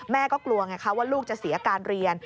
กลัวไงคะว่าลูกจะเสียการเรียน